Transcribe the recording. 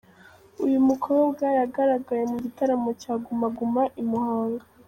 Uyu mukobwa yagaragaye mu gitaramo cya Guma Guma i Muhanga.